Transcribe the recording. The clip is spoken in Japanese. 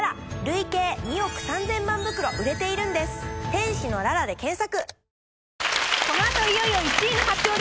「天使のララ」で検索！